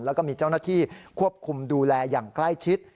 แล้วก็มีเจ้าหน้าที่ควบคุมดูแลอย่างใกล้ชิด